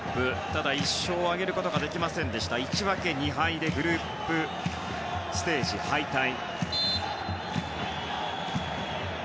ただ、１勝を挙げることができず１分け２敗でグループステージ敗退。